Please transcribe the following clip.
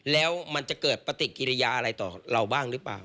แล้วมันจะเกิดปฏิกิริยาอะไรต่อเราบ้างหรือเปล่า